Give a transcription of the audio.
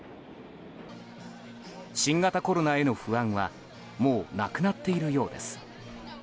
新型コロナへの不安はもうなくなっているようです。